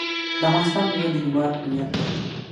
د افغانستان میوې د هیواد هویت دی.